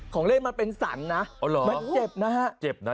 ของเล่นมันเป็นสรรนะมันเจ็บนะฮะเจ็บนะ